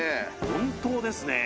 本当ですね